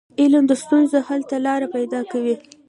علم د ستونزو حل ته لار پيداکوي.